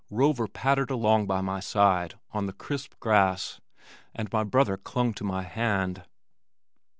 Rover pattered along by my side on the crisp grass and my brother clung to my hand.